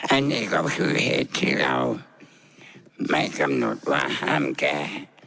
อันนี้ก็คือเหตุที่เราไม่กำหนดว่าห้ามแก่